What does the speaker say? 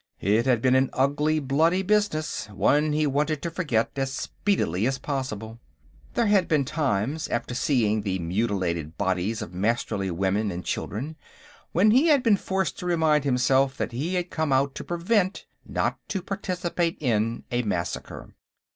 It had been an ugly, bloody, business; one he wanted to forget as speedily as possible. There had been times, after seeing the mutilated bodies of Masterly women and children, when he had been forced to remind himself that he had come out to prevent, not to participate in, a massacre.